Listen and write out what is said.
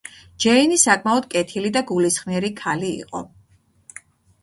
ჯეინი საკმაოდ კეთილი და გულისხმიერი ქალი იყო.